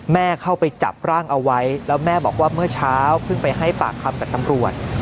เข้าไปจับร่างเอาไว้แล้วแม่บอกว่าเมื่อเช้าเพิ่งไปให้ปากคำกับตำรวจ